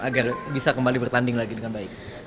agar bisa kembali bertanding lagi dengan baik